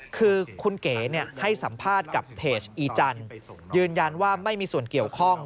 คือคุณเก๋ให้สัมภาษณ์กับเพจอีจันทร์ยืนยันว่าไม่มีส่วนเกี่ยวข้อง